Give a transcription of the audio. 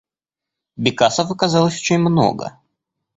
Бекасов оказалось очень много.